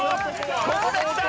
ここできた！